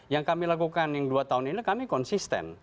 yang kami lakukan yang dua tahun ini kami konsisten